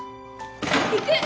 行く！